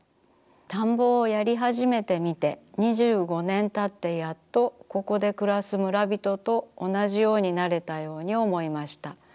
田んぼをやりはじめてみて２５年たってやっとここでくらす村びととおなじようになれたように思いました。